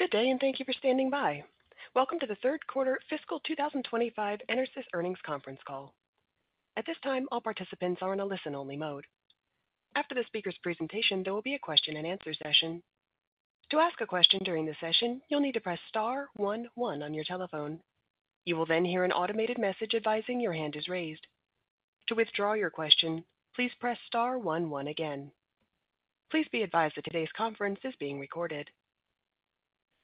Good day, and thank you for standing by. Welcome to the third quarter fiscal 2025 EnerSys earnings conference call. At this time, all participants are in a listen-only mode. After the speaker's presentation, there will be a question-and-answer session. To ask a question during the session, you'll need to press star one one on your telephone. You will then hear an automated message advising your hand is raised. To withdraw your question, please press star one one again. Please be advised that today's conference is being recorded.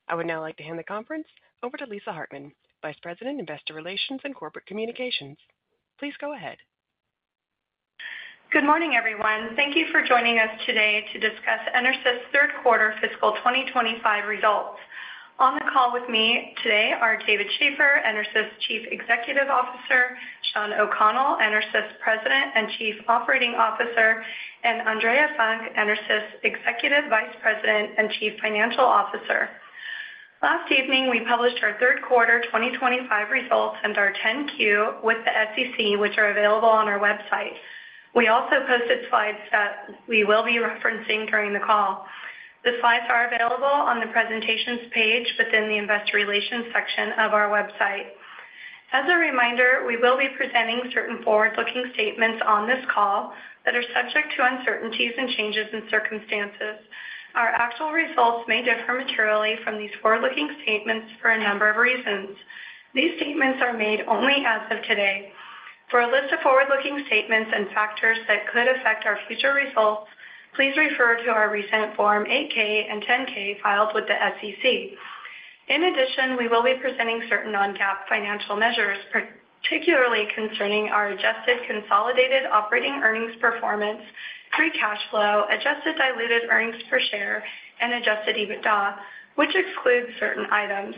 I would now like to hand the conference over to Lisa Hartman, Vice President, Investor Relations and Corporate Communications. Please go ahead. Good morning, everyone. Thank you for joining us today to discuss EnerSys third quarter fiscal 2025 results. On the call with me today are David Shaffer, EnerSys Chief Executive Officer, Shawn O'Connell, EnerSys President and Chief Operating Officer, and Andrea Funk, EnerSys Executive Vice President and Chief Financial Officer. Last evening, we published our third quarter 2025 results and our 10-Q with the SEC, which are available on our website. We also posted slides that we will be referencing during the call. The slides are available on the presentations page within the Investor Relations section of our website. As a reminder, we will be presenting certain forward-looking statements on this call that are subject to uncertainties and changes in circumstances. Our actual results may differ materially from these forward-looking statements for a number of reasons. These statements are made only as of today. For a list of forward-looking statements and factors that could affect our future results, please refer to our recent Form 8-K and 10-K filed with the SEC. In addition, we will be presenting certain non-GAAP financial measures, particularly concerning our adjusted consolidated operating earnings performance, free cash flow, adjusted diluted earnings per share, and adjusted EBITDA, which excludes certain items.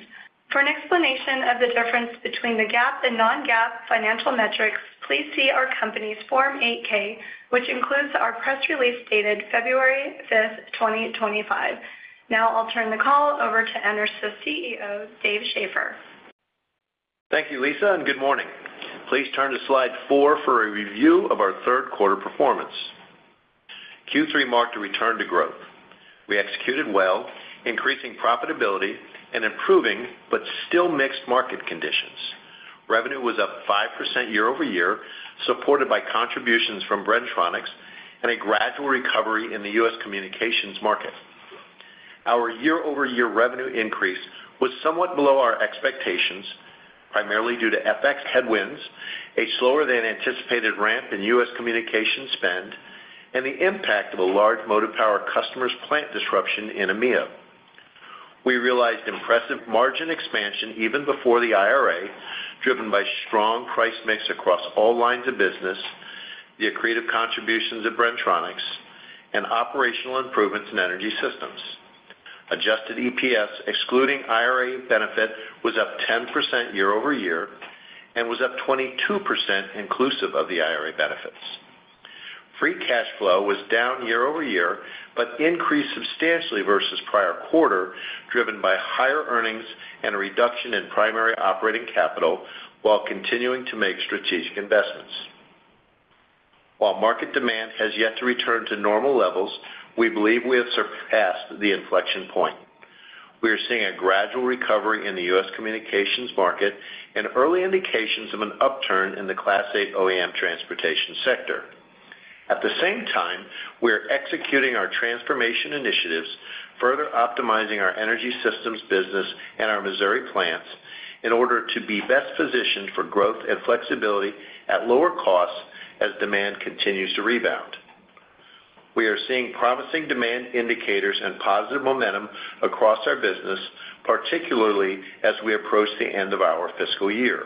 For an explanation of the difference between the GAAP and non-GAAP financial metrics, please see our company's Form 8-K, which includes our press release dated February 5th, 2025. Now I'll turn the call over to EnerSys CEO, Dave Shaffer. Thank you, Lisa, and good morning. Please turn to slide four for a review of our third quarter performance. Q3 marked a return to growth. We executed well, increasing profitability and improving but still mixed market conditions. Revenue was up 5% year-over-year, supported by contributions from Bren-Tronics and a gradual recovery in the U.S. Communications market. Our year-over-year revenue increase was somewhat below our expectations, primarily due to FX headwinds, a slower-than-anticipated ramp in U.S. Communications spend, and the impact of a large Motive Power customer's plant disruption in EMEA. We realized impressive margin expansion even before the IRA, driven by strong price mix across all lines of business, the accretive contributions of Bren-Tronics, and operational improvements in Energy Systems. Adjusted EPS, excluding IRA benefit, was up 10% year-over-year and was up 22% inclusive of the IRA benefits. Free cash flow was down year-over-year but increased substantially versus prior quarter, driven by higher earnings and a reduction in primary operating capital while continuing to make strategic investments. While market demand has yet to return to normal levels, we believe we have surpassed the inflection point. We are seeing a gradual recovery in the U.S. Communications market and early indications of an upturn in the Class 8 OEM Transportation sector. At the same time, we are executing our transformation initiatives, further optimizing our Energy Systems business and our Missouri plants in order to be best positioned for growth and flexibility at lower costs as demand continues to rebound. We are seeing promising demand indicators and positive momentum across our business, particularly as we approach the end of our fiscal year.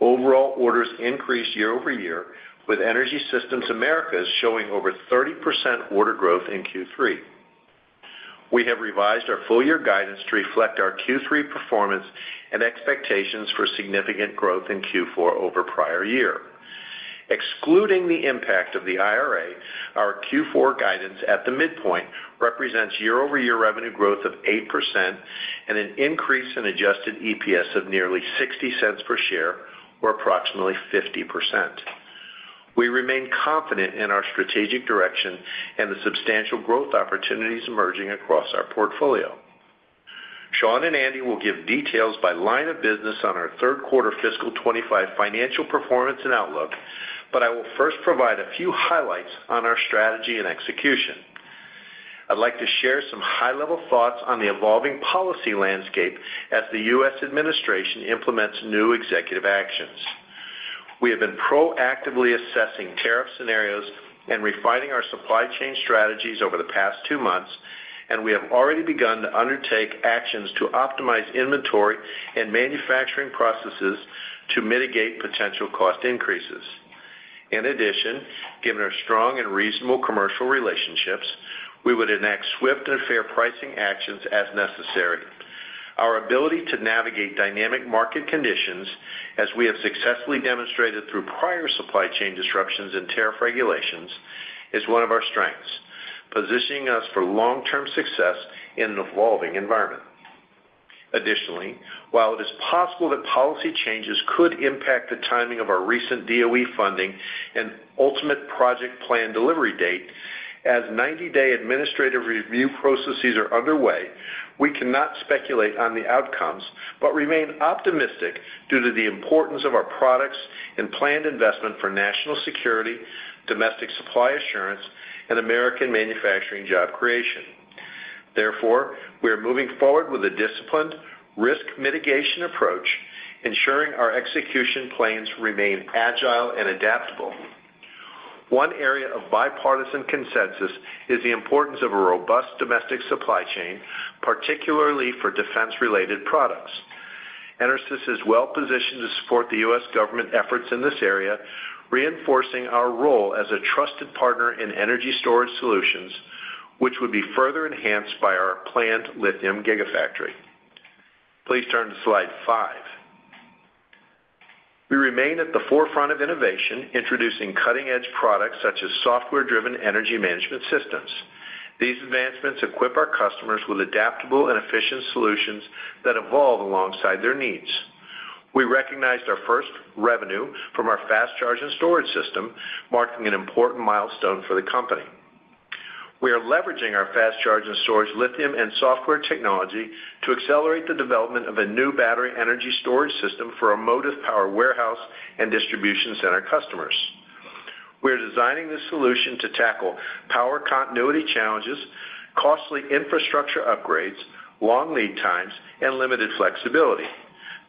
Overall orders increased year-over-year, with Energy Systems Americas showing over 30% order growth in Q3. We have revised our full-year guidance to reflect our Q3 performance and expectations for significant growth in Q4 over prior year. Excluding the impact of the IRA, our Q4 guidance at the midpoint represents year-over-year revenue growth of 8% and an increase in adjusted EPS of nearly $0.60 per share, or approximately 50%. We remain confident in our strategic direction and the substantial growth opportunities emerging across our portfolio. Shawn and Andi will give details by line of business on our third quarter fiscal 2025 financial performance and outlook, but I will first provide a few highlights on our strategy and execution. I'd like to share some high-level thoughts on the evolving policy landscape as the U.S. administration implements new executive actions. We have been proactively assessing tariff scenarios and refining our supply chain strategies over the past two months, and we have already begun to undertake actions to optimize inventory and manufacturing processes to mitigate potential cost increases. In addition, given our strong and reasonable commercial relationships, we would enact swift and fair pricing actions as necessary. Our ability to navigate dynamic market conditions, as we have successfully demonstrated through prior supply chain disruptions and tariff regulations, is one of our strengths, positioning us for long-term success in an evolving environment. Additionally, while it is possible that policy changes could impact the timing of our recent DOE funding and ultimate project plan delivery date, as 90-day administrative review processes are underway, we cannot speculate on the outcomes but remain optimistic due to the importance of our products and planned investment for national security, domestic supply assurance, and American manufacturing job creation. Therefore, we are moving forward with a disciplined risk mitigation approach, ensuring our execution plans remain agile and adaptable. One area of bipartisan consensus is the importance of a robust domestic supply chain, particularly for defense-related products. EnerSys is well positioned to support the U.S. government efforts in this area, reinforcing our role as a trusted partner in energy storage solutions, which would be further enhanced by our planned lithium gigafactory. Please turn to slide five. We remain at the forefront of innovation, introducing cutting-edge products such as software-driven energy management systems. These advancements equip our customers with adaptable and efficient solutions that evolve alongside their needs. We recognized our first revenue from our Fast Charge and Storage system, marking an important milestone for the company. We are leveraging our Fast Charge and Storage lithium and software technology to accelerate the development of a new battery energy storage system for our Motive Power warehouse and distribution center customers. We are designing this solution to tackle power continuity challenges, costly infrastructure upgrades, long lead times, and limited flexibility,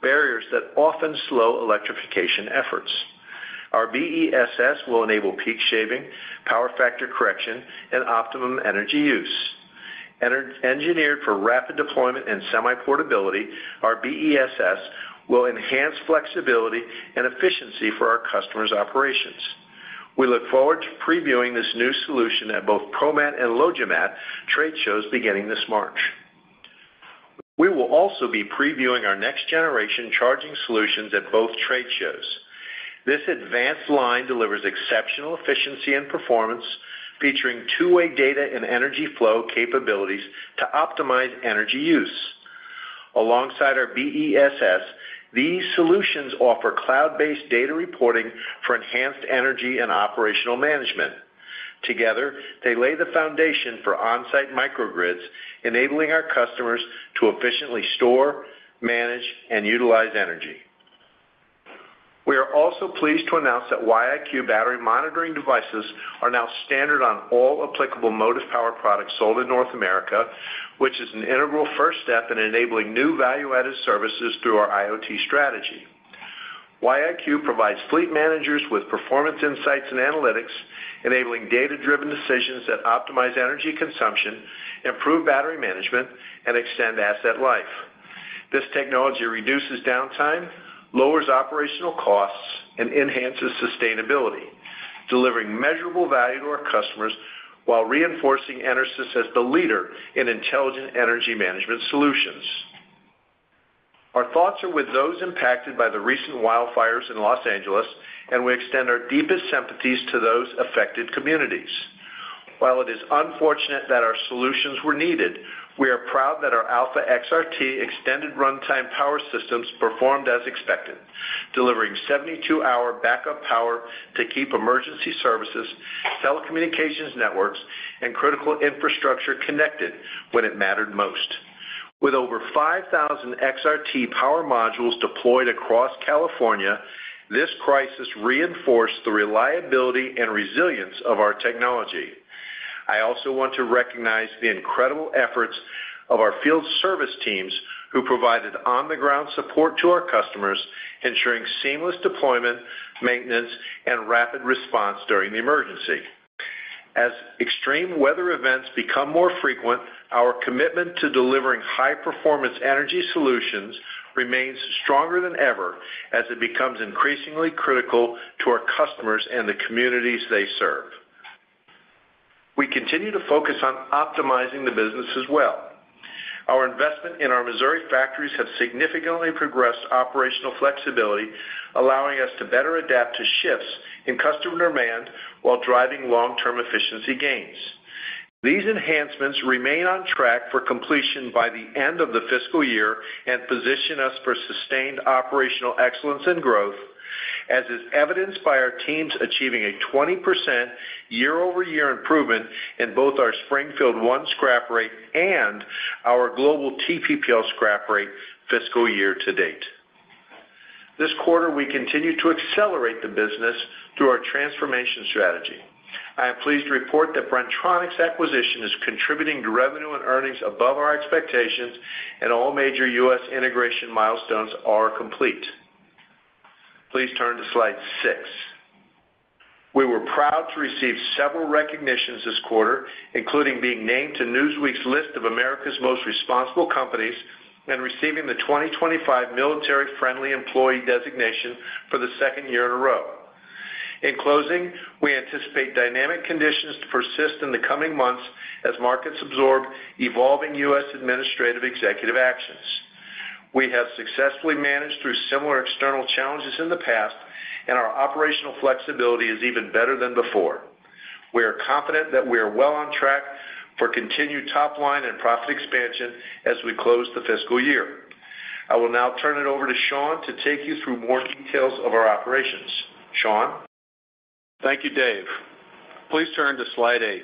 barriers that often slow electrification efforts. Our BESS will enable peak shaving, power factor correction, and optimum energy use. Engineered for rapid deployment and semi-portability, our BESS will enhance flexibility and efficiency for our customers' operations. We look forward to previewing this new solution at both ProMat and LogiMAT trade shows beginning this March. We will also be previewing our next-generation charging solutions at both trade shows. This advanced line delivers exceptional efficiency and performance, featuring two-way data and energy flow capabilities to optimize energy use. Alongside our BESS, these solutions offer cloud-based data reporting for enhanced energy and operational management. Together, they lay the foundation for on-site microgrids, enabling our customers to efficiently store, manage, and utilize energy. We are also pleased to announce that Wi-iQ battery monitoring devices are now standard on all applicable Motive Power products sold in North America, which is an integral first step in enabling new value-added services through our IoT strategy. Wi-iQ provides fleet managers with performance insights and analytics, enabling data-driven decisions that optimize energy consumption, improve battery management, and extend asset life. This technology reduces downtime, lowers operational costs, and enhances sustainability, delivering measurable value to our customers while reinforcing EnerSys as the leader in intelligent energy management solutions. Our thoughts are with those impacted by the recent wildfires in Los Angeles, and we extend our deepest sympathies to those affected communities. While it is unfortunate that our solutions were needed, we are proud that our Alpha XRT extended runtime power systems performed as expected, delivering 72-hour backup power to keep emergency services, telecommunications networks, and critical infrastructure connected when it mattered most. With over 5,000 XRT power modules deployed across California, this crisis reinforced the reliability and resilience of our technology. I also want to recognize the incredible efforts of our field service teams who provided on-the-ground support to our customers, ensuring seamless deployment, maintenance, and rapid response during the emergency. As extreme weather events become more frequent, our commitment to delivering high-performance energy solutions remains stronger than ever, as it becomes increasingly critical to our customers and the communities they serve. We continue to focus on optimizing the business as well. Our investment in our Missouri factories has significantly progressed operational flexibility, allowing us to better adapt to shifts in customer demand while driving long-term efficiency gains. These enhancements remain on track for completion by the end of the fiscal year and position us for sustained operational excellence and growth, as is evidenced by our teams achieving a 20% year-over-year improvement in both our Springfield 1 scrap rate and our global TPPL scrap rate fiscal year to date. This quarter, we continue to accelerate the business through our transformation strategy. I am pleased to report that Bren-Tronics' acquisition is contributing to revenue and earnings above our expectations, and all major U.S. integration milestones are complete. Please turn to slide six. We were proud to receive several recognitions this quarter, including being named to Newsweek's list of America's Most Responsible Companies and receiving the 2025 Military Friendly Employer designation for the second year in a row. In closing, we anticipate dynamic conditions to persist in the coming months as markets absorb evolving U.S. administrative executive actions. We have successfully managed through similar external challenges in the past, and our operational flexibility is even better than before. We are confident that we are well on track for continued top-line and profit expansion as we close the fiscal year. I will now turn it over to Shawn to take you through more details of our operations. Shawn. Thank you, Dave. Please turn to slide eight.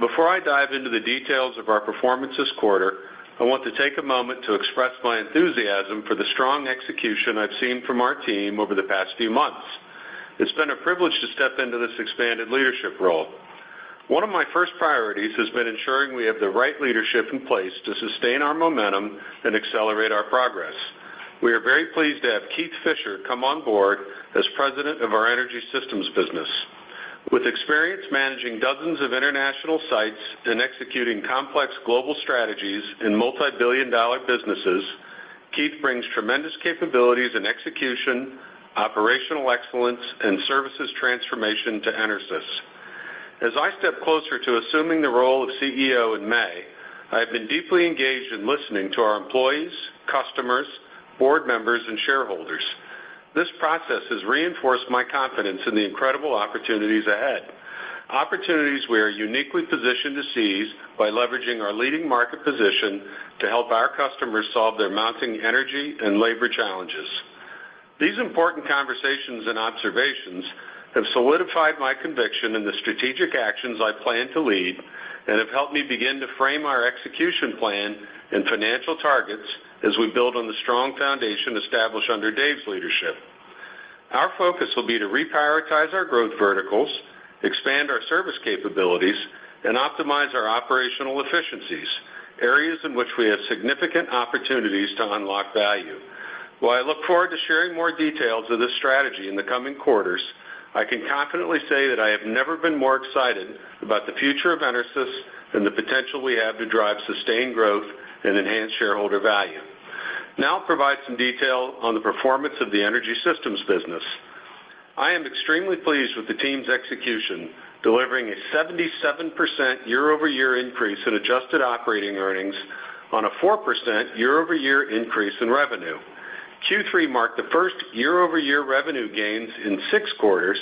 Before I dive into the details of our performance this quarter, I want to take a moment to express my enthusiasm for the strong execution I've seen from our team over the past few months. It's been a privilege to step into this expanded leadership role. One of my first priorities has been ensuring we have the right leadership in place to sustain our momentum and accelerate our progress. We are very pleased to have Keith Fisher come on board as President of our Energy Systems business. With experience managing dozens of international sites and executing complex global strategies in multi-billion-dollar businesses, Keith brings tremendous capabilities in execution, operational excellence, and services transformation to EnerSys. As I step closer to assuming the role of CEO in May, I have been deeply engaged in listening to our employees, customers, board members, and shareholders. This process has reinforced my confidence in the incredible opportunities ahead, opportunities we are uniquely positioned to seize by leveraging our leading market position to help our customers solve their mounting energy and labor challenges. These important conversations and observations have solidified my conviction in the strategic actions I plan to lead and have helped me begin to frame our execution plan and financial targets as we build on the strong foundation established under Dave's leadership. Our focus will be to reprioritize our growth verticals, expand our service capabilities, and optimize our operational efficiencies, areas in which we have significant opportunities to unlock value. While I look forward to sharing more details of this strategy in the coming quarters, I can confidently say that I have never been more excited about the future of EnerSys and the potential we have to drive sustained growth and enhance shareholder value. Now, I'll provide some detail on the performance of the Energy Systems business. I am extremely pleased with the team's execution, delivering a 77% year-over-year increase in adjusted operating earnings on a 4% year-over-year increase in revenue. Q3 marked the first year-over-year revenue gains in six quarters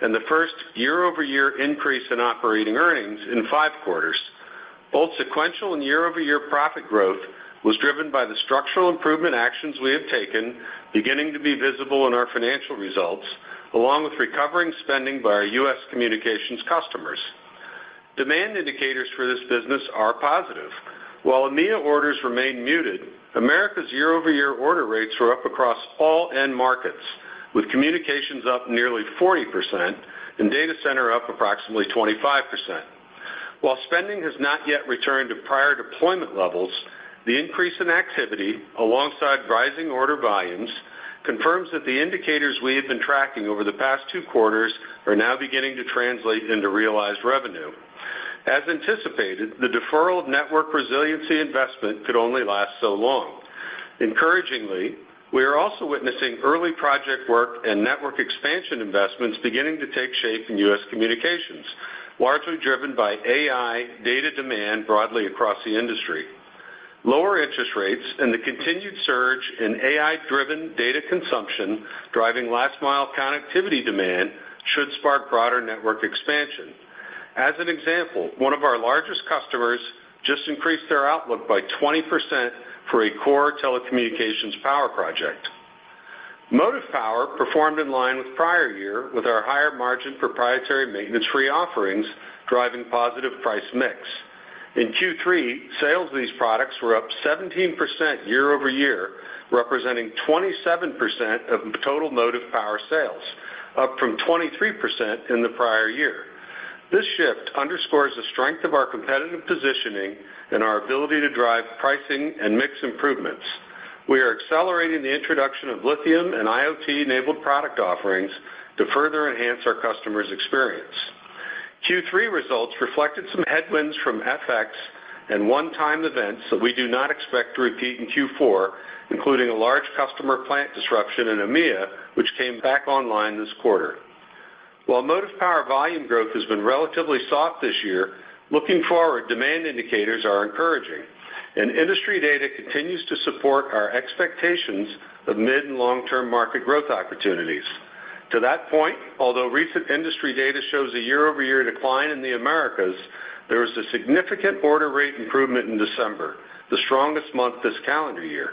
and the first year-over-year increase in operating earnings in five quarters. Both sequential and year-over-year profit growth was driven by the structural improvement actions we have taken, beginning to be visible in our financial results, along with recovering spending by our U.S. Communications customers. Demand indicators for this business are positive. While EMEA orders remain muted, America's year-over-year order rates are up across all end markets, with Communications up nearly 40% and data center up approximately 25%. While spending has not yet returned to prior deployment levels, the increase in activity, alongside rising order volumes, confirms that the indicators we have been tracking over the past two quarters are now beginning to translate into realized revenue. As anticipated, the deferral of network resiliency investment could only last so long. Encouragingly, we are also witnessing early project work and network expansion investments beginning to take shape in U.S. Communications, largely driven by AI data demand broadly across the industry. Lower interest rates and the continued surge in AI-driven data consumption driving last-mile connectivity demand should spark broader network expansion. As an example, one of our largest customers just increased their outlook by 20% for a core telecommunications power project. Motive Power performed in line with prior year with our higher margin proprietary maintenance-free offerings, driving positive price mix. In Q3, sales of these products were up 17% year-over-year, representing 27% of total Motive Power sales, up from 23% in the prior year. This shift underscores the strength of our competitive positioning and our ability to drive pricing and mix improvements. We are accelerating the introduction of lithium and IoT-enabled product offerings to further enhance our customers' experience. Q3 results reflected some headwinds from FX and one-time events that we do not expect to repeat in Q4, including a large customer plant disruption in EMEA, which came back online this quarter. While Motive Power volume growth has been relatively soft this year, looking forward, demand indicators are encouraging, and industry data continues to support our expectations of mid and long-term market growth opportunities. To that point, although recent industry data shows a year-over-year decline in the Americas, there was a significant order rate improvement in December, the strongest month this calendar year.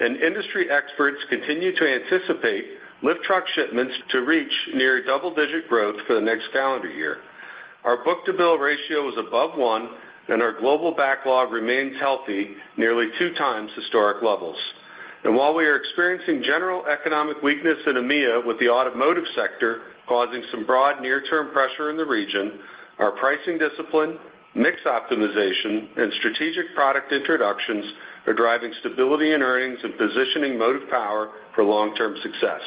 And industry experts continue to anticipate lift truck shipments to reach near double-digit growth for the next calendar year. Our book-to-bill ratio is above one, and our global backlog remains healthy, nearly two times historic levels. And while we are experiencing general economic weakness in EMEA with the automotive sector causing some broad near-term pressure in the region, our pricing discipline, mix optimization, and strategic product introductions are driving stability in earnings and positioning Motive Power for long-term success.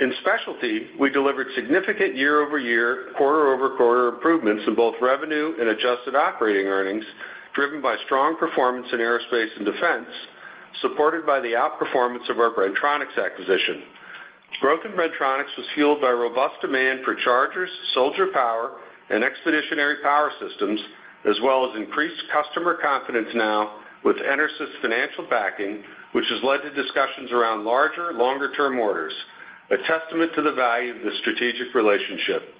In Specialty, we delivered significant year-over-year, quarter-over-quarter improvements in both revenue and adjusted operating earnings, driven by strong performance in Aerospace and Defense, supported by the outperformance of our Bren-Tronics acquisition. Growth in Bren-Tronics was fueled by robust demand for chargers, soldier power, and expeditionary power systems, as well as increased customer confidence now with EnerSys' financial backing, which has led to discussions around larger, longer-term orders, a testament to the value of this strategic relationship.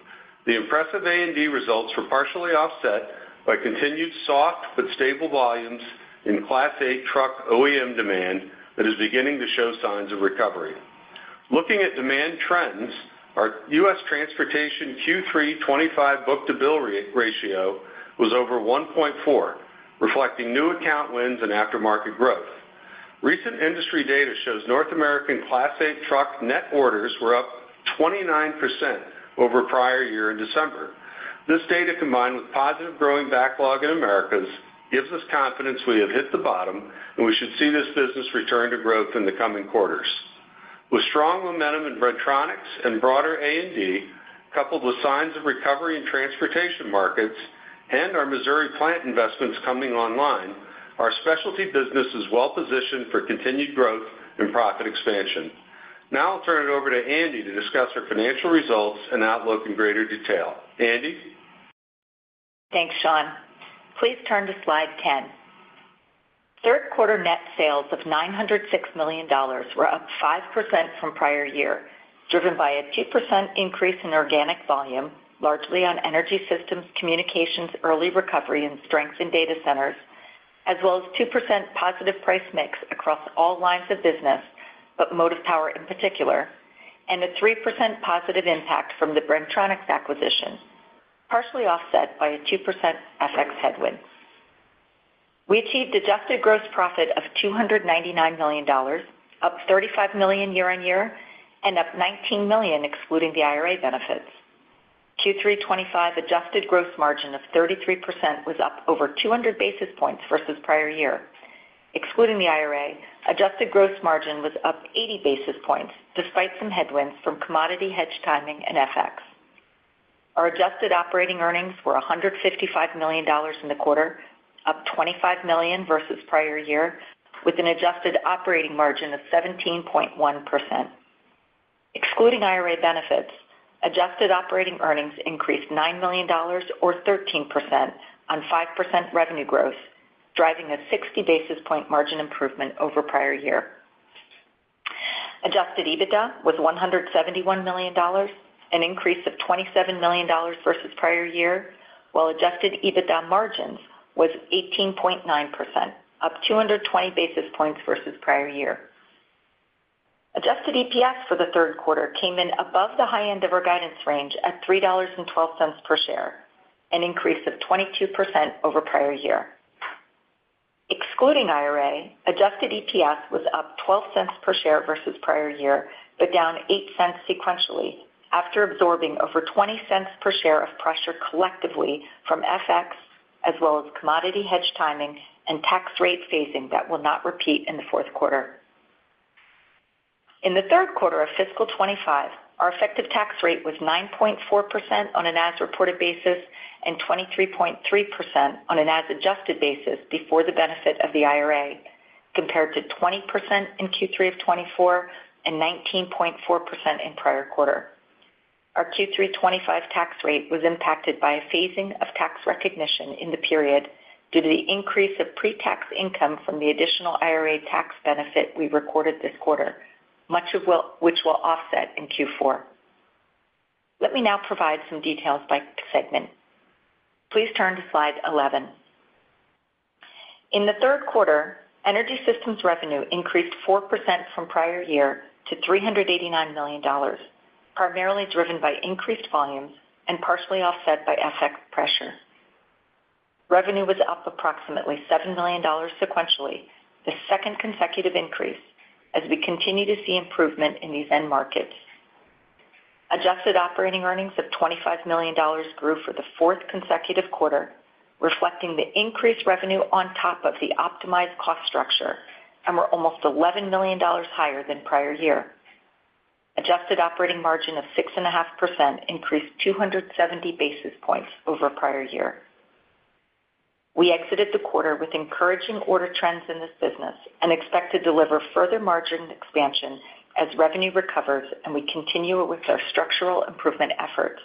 The impressive A&D results were partially offset by continued soft but stable volumes in Class 8 truck OEM demand that is beginning to show signs of recovery. Looking at demand trends, our U.S. Transportation Q3 2025 book-to-bill ratio was over 1.4, reflecting new account wins and aftermarket growth. Recent industry data shows North American Class 8 truck net orders were up 29% over prior year in December. This data, combined with positive growing backlog in Americas, gives us confidence we have hit the bottom, and we should see this business return to growth in the coming quarters. With strong momentum in Bren-Tronics and broader A&D, coupled with signs of recovery in Transportation markets and our Missouri plant investments coming online, our Specialty business is well positioned for continued growth and profit expansion. Now, I'll turn it over to Andi to discuss our financial results and outlook in greater detail. Andi? Thanks, Shawn. Please turn to slide 10. Third-quarter net sales of $906 million were up 5% from prior year, driven by a 2% increase in organic volume, largely on Energy Systems, Communications, early recovery, and strength in Data Centers, as well as 2% positive price mix across all lines of business, but Motive Power in particular, and a 3% positive impact from the Bren-Tronics acquisition, partially offset by a 2% FX headwind. We achieved adjusted gross profit of $299 million, up 35 million year-on-year and up 19 million excluding the IRA benefits. Q3 2025 adjusted gross margin of 33% was up over 200 basis points versus prior year. Excluding the IRA, adjusted gross margin was up 80 basis points despite some headwinds from commodity hedge timing and FX. Our adjusted operating earnings were $155 million in the quarter, up $25 million versus prior year, with an adjusted operating margin of 17.1%. Excluding IRA benefits, adjusted operating earnings increased $9 million, or 13%, on 5% revenue growth, driving a 60 basis point margin improvement over prior year. Adjusted EBITDA was $171 million, an increase of $27 million versus prior year, while adjusted EBITDA margins was 18.9%, up 220 basis points versus prior year. Adjusted EPS for the third quarter came in above the high end of our guidance range at $3.12 per share, an increase of 22% over prior year. Excluding IRA, adjusted EPS was up $0.12 per share versus prior year, but down $0.08 sequentially after absorbing over $0.20 per share of pressure collectively from FX, as well as commodity hedge timing and tax rate phasing that will not repeat in the fourth quarter. In the third quarter of fiscal 2025, our effective tax rate was 9.4% on an as-reported basis and 23.3% on an as-adjusted basis before the benefit of the IRA, compared to 20% in Q3 of 2024 and 19.4% in prior quarter. Our Q3 2025 tax rate was impacted by a phasing of tax recognition in the period due to the increase of pre-tax income from the additional IRA tax benefit we recorded this quarter, much of which will offset in Q4. Let me now provide some details by segment. Please turn to slide 11. In the third quarter, Energy Systems revenue increased 4% from prior year to $389 million, primarily driven by increased volumes and partially offset by FX pressure. Revenue was up approximately $7 million sequentially, the second consecutive increase, as we continue to see improvement in these end markets. Adjusted operating earnings of $25 million grew for the fourth consecutive quarter, reflecting the increased revenue on top of the optimized cost structure, and were almost $11 million higher than prior year. Adjusted operating margin of 6.5% increased 270 basis points over prior year. We exited the quarter with encouraging order trends in this business and expect to deliver further margin expansion as revenue recovers and we continue with our structural improvement efforts.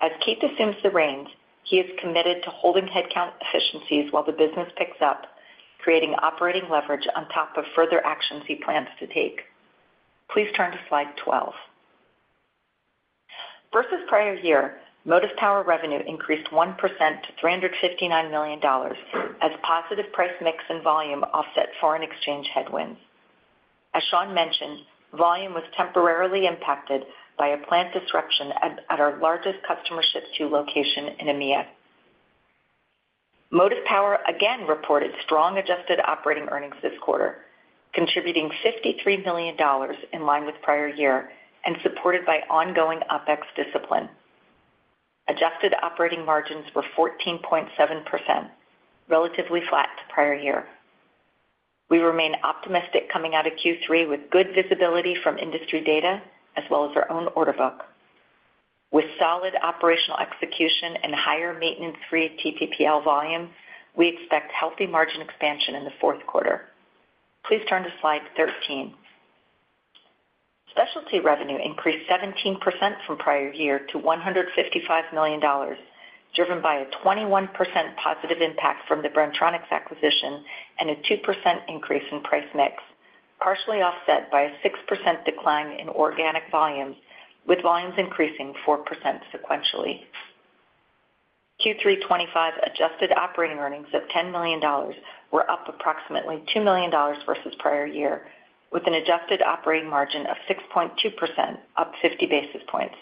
As Keith assumes the reins, he is committed to holding headcount efficiencies while the business picks up, creating operating leverage on top of further actions he plans to take. Please turn to slide 12. Versus prior year, Motive Power revenue increased 1% to $359 million as positive price mix and volume offset foreign exchange headwinds. As Shawn mentioned, volume was temporarily impacted by a plant disruption at our largest customer ship-to location in EMEA. Motive Power again reported strong adjusted operating earnings this quarter, contributing $53 million in line with prior year and supported by ongoing OpEx discipline. Adjusted operating margins were 14.7%, relatively flat to prior year. We remain optimistic coming out of Q3 with good visibility from industry data as well as our own order book. With solid operational execution and higher maintenance-free TPPL volume, we expect healthy margin expansion in the fourth quarter. Please turn to slide 13. Specialty revenue increased 17% from prior year to $155 million, driven by a 21% positive impact from the Bren-Tronics acquisition and a 2% increase in price mix, partially offset by a 6% decline in organic volumes, with volumes increasing 4% sequentially. Q3 25 adjusted operating earnings of $10 million were up approximately $2 million versus prior year, with an adjusted operating margin of 6.2%, up 50 basis points.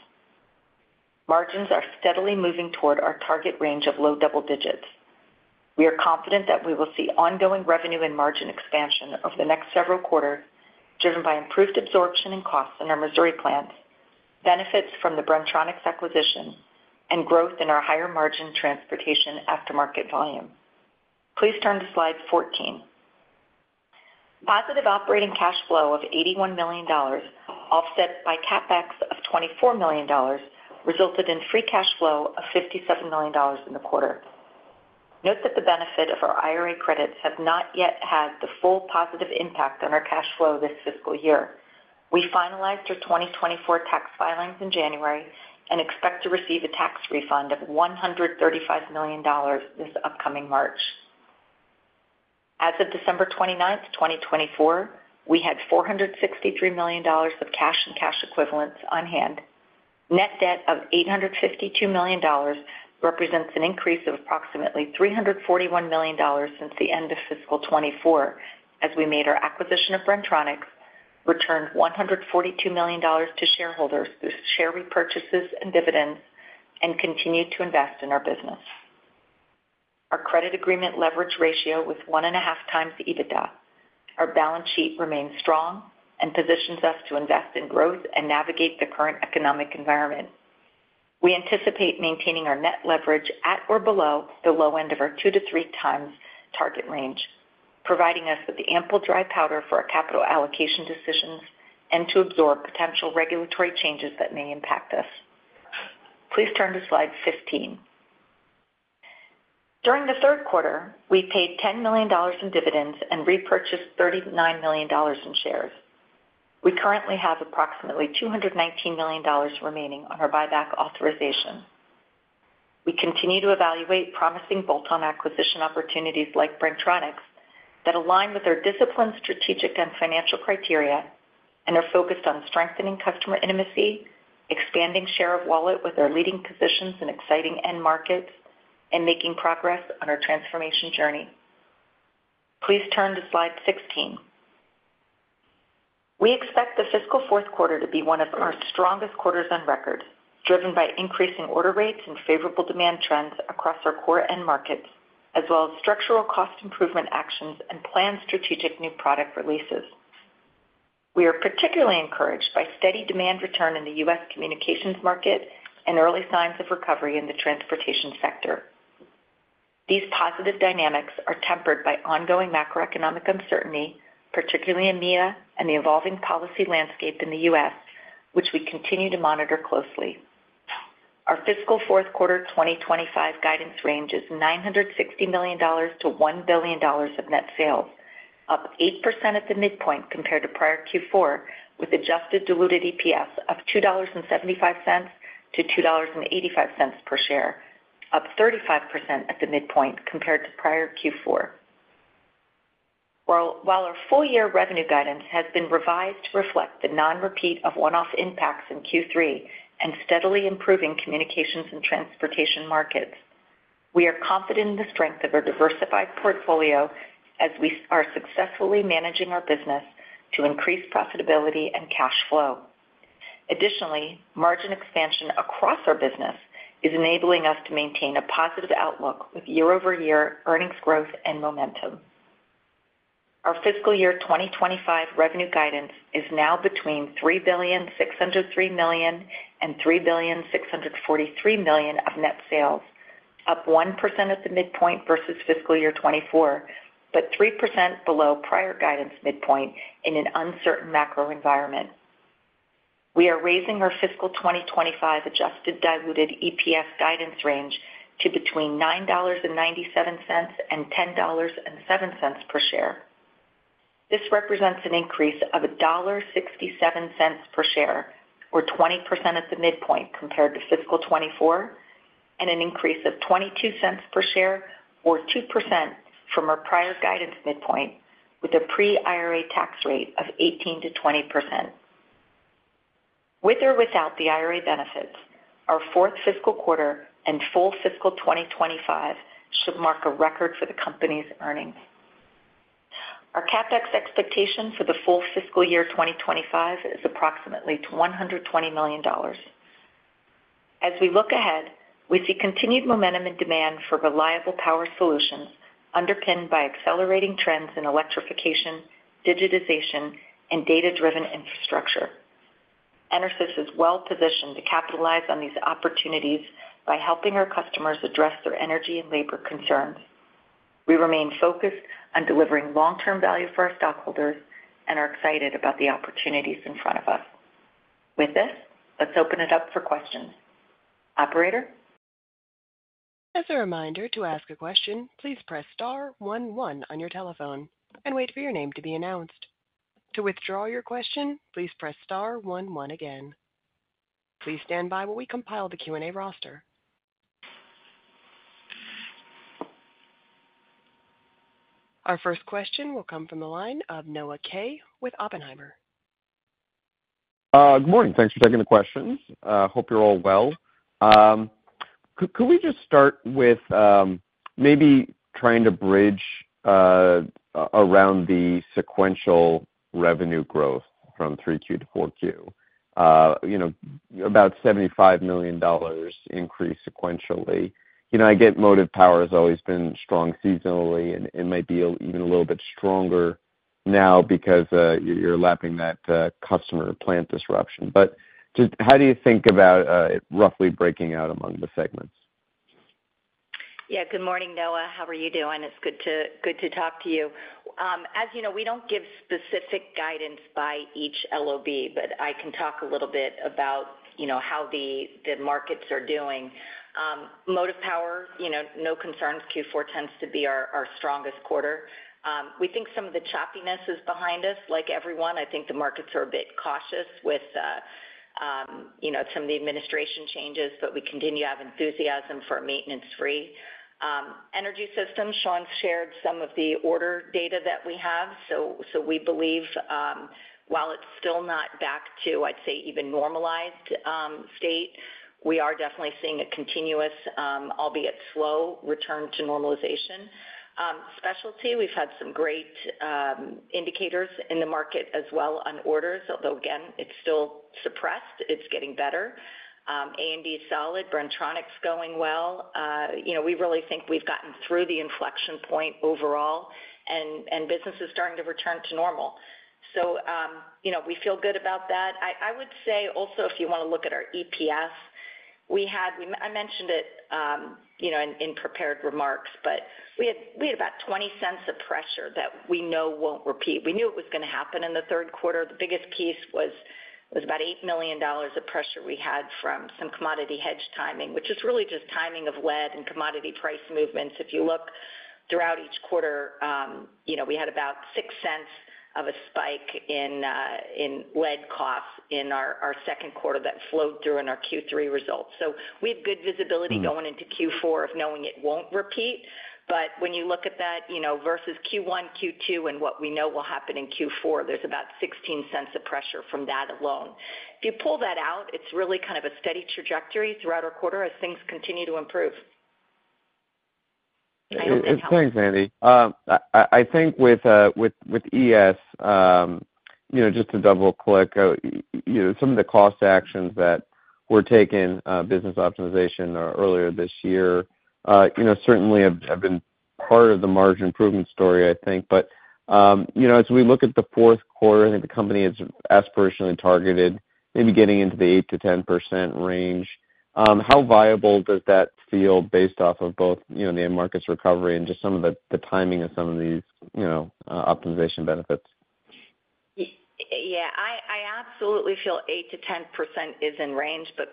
Margins are steadily moving toward our target range of low double digits. We are confident that we will see ongoing revenue and margin expansion over the next several quarters, driven by improved absorption and costs in our Missouri plants, benefits from the Bren-Tronics acquisition, and growth in our higher margin Transportation aftermarket volume. Please turn to slide 14. Positive operating cash flow of $81 million, offset by CapEx of $24 million, resulted in free cash flow of $57 million in the quarter. Note that the benefit of our IRA credits has not yet had the full positive impact on our cash flow this fiscal year. We finalized our 2024 tax filings in January and expect to receive a tax refund of $135 million this upcoming March. As of December 29, 2024, we had $463 million of cash and cash equivalents on hand. Net debt of $852 million represents an increase of approximately $341 million since the end of fiscal 2024, as we made our acquisition of Bren-Tronics, returned $142 million to shareholders through share repurchases and dividends, and continued to invest in our business. Our credit agreement leverage ratio was 1.5 times EBITDA. Our balance sheet remains strong and positions us to invest in growth and navigate the current economic environment. We anticipate maintaining our net leverage at or below the low end of our 2 to 3 times target range, providing us with the ample dry powder for our capital allocation decisions and to absorb potential regulatory changes that may impact us. Please turn to slide 15. During the third quarter, we paid $10 million in dividends and repurchased $39 million in shares. We currently have approximately $219 million remaining on our buyback authorization. We continue to evaluate promising bolt-on acquisition opportunities like Bren-Tronics that align with our discipline, strategic, and financial criteria, and are focused on strengthening customer intimacy, expanding share of wallet with our leading positions in exciting end markets, and making progress on our transformation journey. Please turn to slide 16. We expect the fiscal fourth quarter to be one of our strongest quarters on record, driven by increasing order rates and favorable demand trends across our core end markets, as well as structural cost improvement actions and planned strategic new product releases. We are particularly encouraged by steady demand return in the U.S. Communications market and early signs of recovery in the Transportation sector. These positive dynamics are tempered by ongoing macroeconomic uncertainty, particularly in EMEA and the evolving policy landscape in the U.S., which we continue to monitor closely. Our fiscal fourth quarter 2025 guidance range is $960 million-$1 billion of net sales, up 8% at the midpoint compared to prior Q4, with adjusted diluted EPS of $2.75-$2.85 per share, up 35% at the midpoint compared to prior Q4. While our full-year revenue guidance has been revised to reflect the non-repeat of one-off impacts in Q3 and steadily improving Communications and Transportation markets, we are confident in the strength of our diversified portfolio as we are successfully managing our business to increase profitability and cash flow. Additionally, margin expansion across our business is enabling us to maintain a positive outlook with year-over-year earnings growth and momentum. Our fiscal year 2025 revenue guidance is now between $3,603 million and $3,643 million of net sales, up 1% at the midpoint versus fiscal year 2024, but 3% below prior guidance midpoint in an uncertain macro environment. We are raising our fiscal 2025 adjusted diluted EPS guidance range to between $9.97 and $10.07 per share. This represents an increase of $1.67 per share, or 20% at the midpoint compared to fiscal 2024, and an increase of $0.22 per share, or 2% from our prior guidance midpoint, with a pre-IRA tax rate of 18%-20%. With or without the IRA benefits, our fourth fiscal quarter and full fiscal 2025 should mark a record for the company's earnings. Our CapEx expectation for the full fiscal year 2025 is approximately $120 million. As we look ahead, we see continued momentum in demand for reliable power solutions, underpinned by accelerating trends in electrification, digitization, and data-driven infrastructure. EnerSys is well positioned to capitalize on these opportunities by helping our customers address their energy and labor concerns. We remain focused on delivering long-term value for our stockholders and are excited about the opportunities in front of us. With this, let's open it up for questions. Operator. As a reminder, to ask a question, please press star one one on your telephone and wait for your name to be announced. To withdraw your question, please press star one one again. Please stand by while we compile the Q&A roster. Our first question will come from the line of Noah Kaye with Oppenheimer. Good morning. Thanks for taking the questions. Hope you're all well. Could we just start with maybe trying to bridge around the sequential revenue growth from 3Q to 4Q? About $75 million increase sequentially. I get Motive Power has always been strong seasonally, and it might be even a little bit stronger now because you're lapping that customer plant disruption. But how do you think about roughly breaking out among the segments? Yeah. Good morning, Noah. How are you doing? It's good to talk to you. As you know, we don't give specific guidance by each LOB, but I can talk a little bit about how the markets are doing. Motive Power, no concerns. Q4 tends to be our strongest quarter. We think some of the choppiness is behind us. Like everyone, I think the markets are a bit cautious with some of the administration changes, but we continue to have enthusiasm for maintenance-free. Energy Systems, Shawn shared some of the order data that we have. So we believe while it's still not back to, I'd say, even normalized state, we are definitely seeing a continuous, albeit slow, return to normalization. Specialty, we've had some great indicators in the market as well on orders, although, again, it's still suppressed. It's getting better. A&D is solid. Bren-Tronics is going well. We really think we've gotten through the inflection point overall, and business is starting to return to normal. So we feel good about that. I would say also, if you want to look at our EPS, I mentioned it in prepared remarks, but we had about $0.20 of pressure that we know won't repeat. We knew it was going to happen in the third quarter. The biggest piece was about $8 million of pressure we had from some commodity hedge timing, which is really just timing of lead and commodity price movements. If you look throughout each quarter, we had about $0.06 of a spike in lead costs in our second quarter that flowed through in our Q3 results. So we have good visibility going into Q4 of knowing it won't repeat. But when you look at that versus Q1, Q2, and what we know will happen in Q4, there's about $0.16 of pressure from that alone. If you pull that out, it's really kind of a steady trajectory throughout our quarter as things continue to improve. Thanks, Andi. I think with ES, just to double-click, some of the cost actions that were taken, business optimization earlier this year, certainly have been part of the margin improvement story, I think. But as we look at the fourth quarter, I think the company is aspirationally targeted maybe getting into the 8%-10% range. How viable does that feel based off of both the end markets recovery and just some of the timing of some of these optimization benefits? Yeah. I absolutely feel 8%-10% is in range, but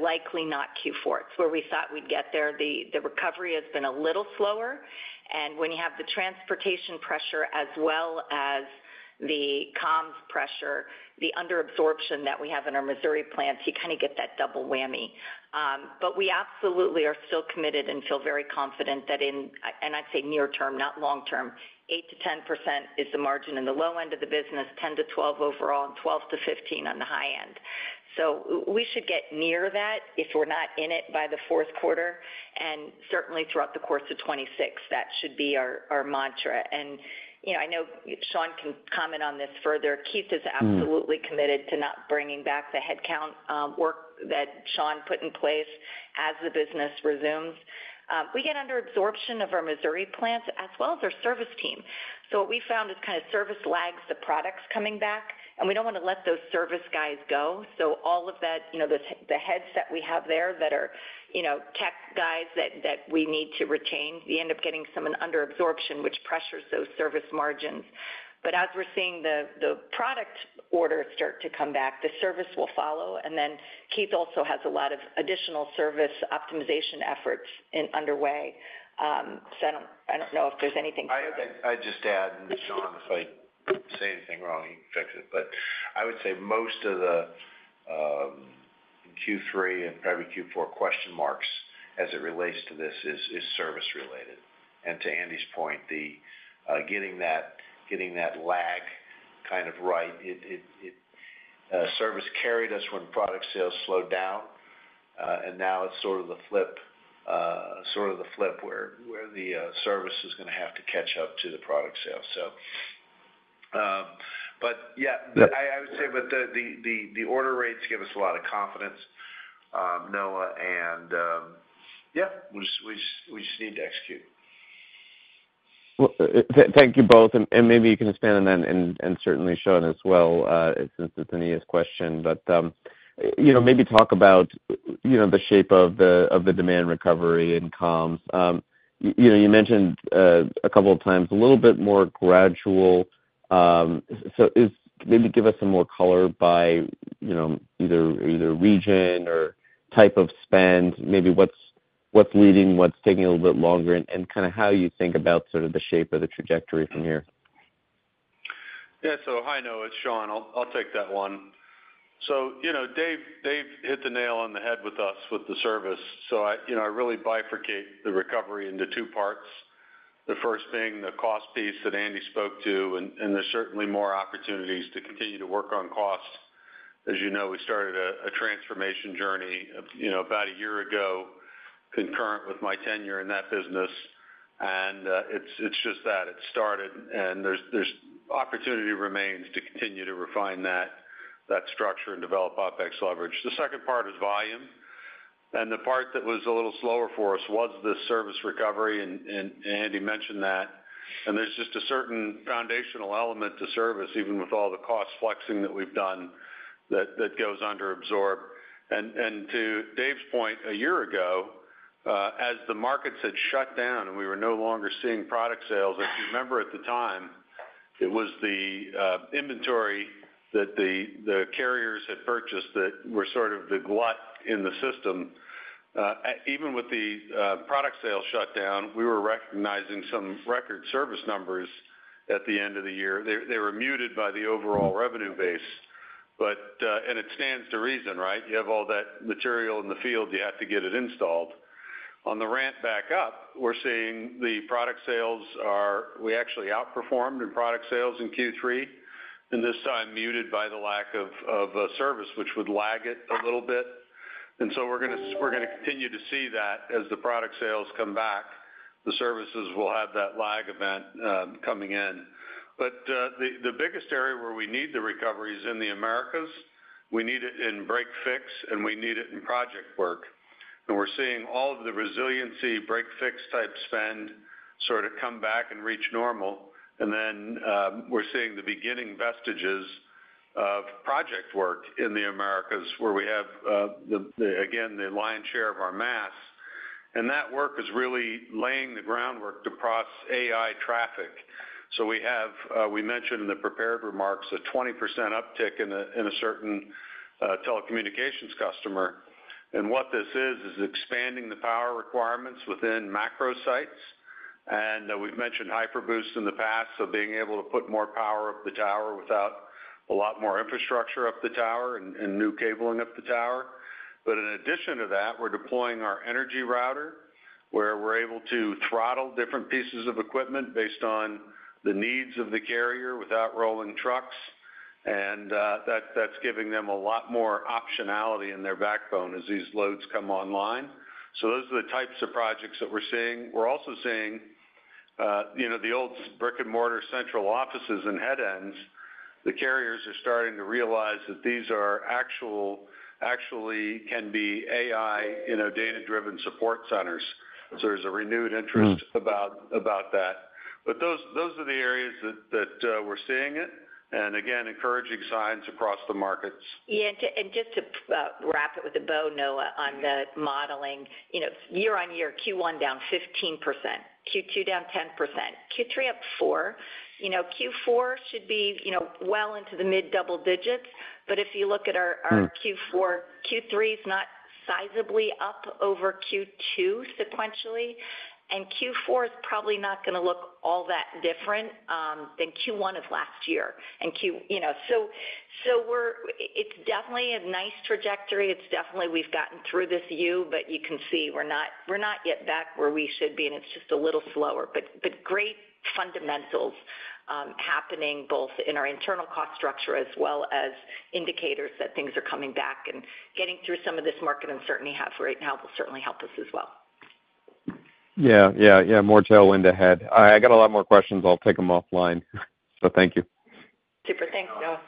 likely not Q4. It's where we thought we'd get there. The recovery has been a little slower. And when you have the Transportation pressure as well as the Comms pressure, the under-absorption that we have in our Missouri plants, you kind of get that double whammy. But we absolutely are still committed and feel very confident that in, and I'd say near term, not long term, 8-10% is the margin in the low end of the business, 10%-12% overall, and 12%-15% on the high end. So we should get near that if we're not in it by the fourth quarter. And certainly throughout the course of 2026, that should be our mantra. And I know Shawn can comment on this further. Keith is absolutely committed to not bringing back the headcount work that Shawn put in place as the business resumes. We get under-absorption of our Missouri plants as well as our service team. So what we found is kind of service lags the products coming back, and we don't want to let those service guys go. So all of that, the heads that we have there that are tech guys that we need to retain, you end up getting some under-absorption, which pressures those service margins. But as we're seeing the product orders start to come back, the service will follow. And then Keith also has a lot of additional service optimization efforts underway. So I don't know if there's anything. I'd just add, and Shawn, if I say anything wrong, you can fix it. But I would say most of the Q3 and probably Q4 question marks as it relates to this is service-related. And to Andi's point, getting that lag kind of right, service carried us when product sales slowed down, and now it's sort of the flip, sort of the flip where the service is going to have to catch up to the product sales. So, but yeah, I would say, but the order rates give us a lot of confidence, Noah. And yeah, we just need to execute. Well, thank you both. And maybe you can expand on that and certainly Shawn as well since it's an ES question, but maybe talk about the shape of the demand recovery and Comms. You mentioned a couple of times a little bit more gradual. So maybe give us some more color by either region or type of spend, maybe what's leading, what's taking a little bit longer, and kind of how you think about sort of the shape of the trajectory from here. Yeah. So hi, Noah. It's Shawn. I'll take that one. So they've hit the nail on the head with us with the service. So I really bifurcate the recovery into two parts, the first being the cost piece that Andi spoke to, and there's certainly more opportunities to continue to work on cost. As you know, we started a transformation journey about a year ago concurrent with my tenure in that business. And it's just that it started, and there's opportunity remains to continue to refine that structure and develop OpEx leverage. The second part is volume. And the part that was a little slower for us was the service recovery, and Andi mentioned that. And there's just a certain foundational element to service, even with all the cost flexing that we've done, that goes under-absorbed. And to Dave's point, a year ago, as the markets had shut down and we were no longer seeing product sales, if you remember at the time, it was the inventory that the carriers had purchased that were sort of the glut in the system. Even with the product sales shut down, we were recognizing some record service numbers at the end of the year. They were muted by the overall revenue base. And it stands to reason, right? You have all that material in the field. You have to get it installed. On the ramp back up, we're seeing the product sales. We actually outperformed in product sales in Q3, and this time muted by the lack of service, which would lag it a little bit. And so we're going to continue to see that as the product sales come back. The services will have that lag event coming in, but the biggest area where we need the recovery is in the Americas. We need it in break fix, and we need it in project work, and we're seeing all of the resiliency break fix type spend sort of come back and reach normal, and then we're seeing the beginning vestiges of project work in the Americas where we have, again, the lion's share of our mass, and that work is really laying the groundwork to cross AI traffic, so we mentioned in the prepared remarks a 20% uptick in a certain telecommunications customer, and what this is, is expanding the power requirements within macro sites, and we've mentioned HyperBoost in the past, so being able to put more power up the tower without a lot more infrastructure up the tower and new cabling up the tower. But in addition to that, we're deploying our Energy Router where we're able to throttle different pieces of equipment based on the needs of the carrier without rolling trucks. And that's giving them a lot more optionality in their backbone as these loads come online. So those are the types of projects that we're seeing. We're also seeing the old brick-and-mortar central offices and head ends. The carriers are starting to realize that these are actually can be AI data-driven support centers. So there's a renewed interest about that. But those are the areas that we're seeing it. And again, encouraging signs across the markets. Yeah. And just to wrap it with a bow, Noah, on the modeling, year-on-year, Q1 down 15%, Q2 down 10%, Q3 up 4%. Q4 should be well into the mid double digits. But if you look at our Q4, Q3 is not sizably up over Q2 sequentially. And Q4 is probably not going to look all that different than Q1 of last year. And so it's definitely a nice trajectory. It's definitely we've gotten through this year, but you can see we're not yet back where we should be. And it's just a little slower. But great fundamentals happening both in our internal cost structure as well as indicators that things are coming back. And getting through some of this market uncertainty we have right now will certainly help us as well. Yeah. Yeah. Yeah. More to follow ahead. I got a lot more questions. I'll take them offline. So thank you. Super. Thanks, Noah.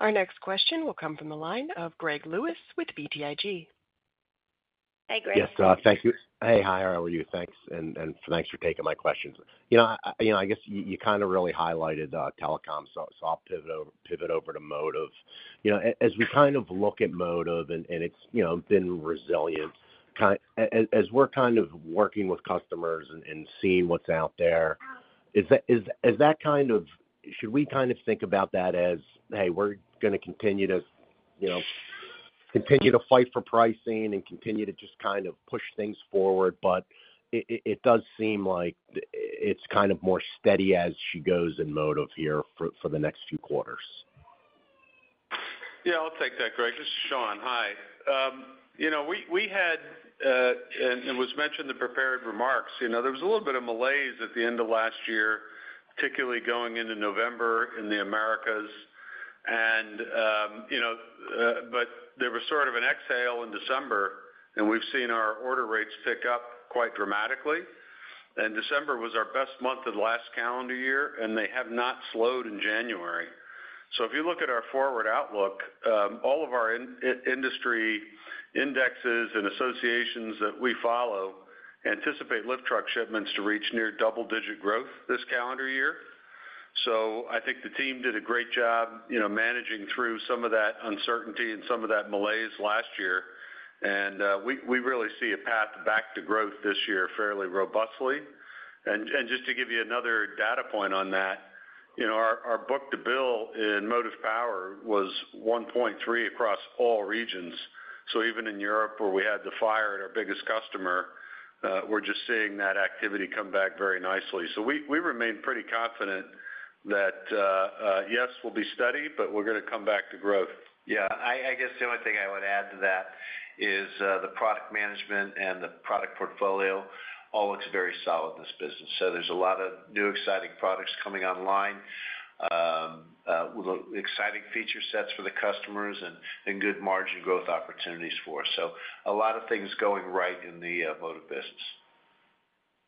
Our next question will come from the line of Greg Lewis with BTIG. Hey, Greg. Yes, thank you. Hey, David. How are you? Thanks. Thanks for taking my questions. I guess you kind of really highlighted telecom. So I'll pivot over to Motive. As we kind of look at Motive, and it's been resilient, as we're kind of working with customers and seeing what's out there, is that kind of should we kind of think about that as, "Hey, we're going to continue to fight for pricing and continue to just kind of push things forward"? But it does seem like it's kind of more steady as she goes in Motive here for the next few quarters. Yeah. I'll take that, Greg. This is Shawn. Hi. We had, and it was mentioned in the prepared remarks, there was a little bit of malaise at the end of last year, particularly going into November in the Americas. But there was sort of an exhale in December, and we've seen our order rates pick up quite dramatically. December was our best month of the last calendar year, and they have not slowed in January. If you look at our forward outlook, all of our industry indexes and associations that we follow anticipate lift truck shipments to reach near double-digit growth this calendar year. I think the team did a great job managing through some of that uncertainty and some of that malaise last year. We really see a path back to growth this year fairly robustly. Just to give you another data point on that, our book-to-bill in Motive Power was 1.3 across all regions. Even in Europe, where we had a fire at our biggest customer, we're just seeing that activity come back very nicely. So we remain pretty confident that, yes, we'll be steady, but we're going to come back to growth. Yeah. I guess the only thing I would add to that is the product management and the product portfolio all looks very solid in this business. So there's a lot of new exciting products coming online, exciting feature sets for the customers, and good margin growth opportunities for us. So a lot of things going right in the Motive business.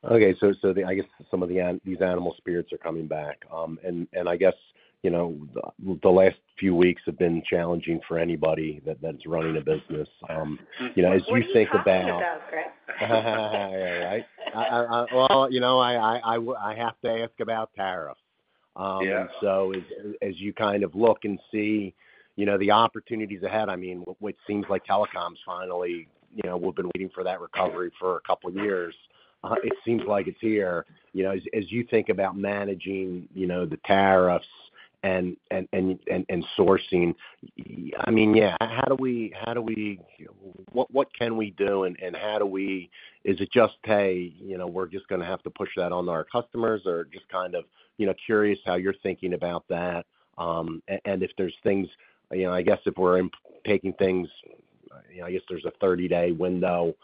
Okay. So I guess some of these animal spirits are coming back. And I guess the last few weeks have been challenging for anybody that's running a business. As you think about. Yeah. That's great. All right. Well, I have to ask about tariffs. As you kind of look and see the opportunities ahead, I mean, what seems like telecoms finally. We've been waiting for that recovery for a couple of years. It seems like it's here. As you think about managing the tariffs and sourcing, I mean, yeah, what can we do and how? Is it just, "Hey, we're just going to have to push that on our customers," or just kind of curious how you're thinking about that? And if there's things, I guess if we're taking things, I guess there's a 30-day window.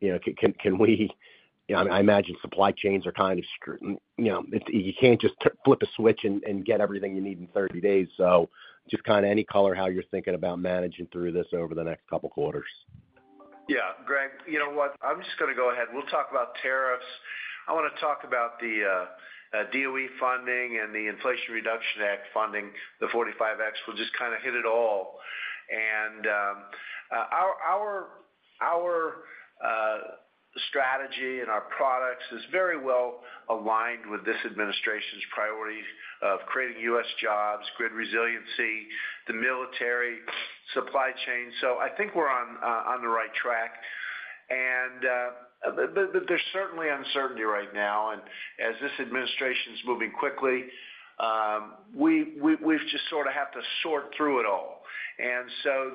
Can we? I imagine supply chains are kind of you can't just flip a switch and get everything you need in 30 days. So just kind of any color how you're thinking about managing through this over the next couple of quarters. Yeah. Greg, you know what? I'm just going to go ahead. We'll talk about tariffs. I want to talk about the DOE funding and the Inflation Reduction Act funding, the 45X. We'll just kind of hit it all, and our strategy and our products is very well aligned with this administration's priority of creating U.S. jobs, grid resiliency, the military, supply chain. So I think we're on the right track, and there's certainly uncertainty right now, and as this administration's moving quickly, we've just sort of had to sort through it all, and so